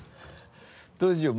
どうしよう？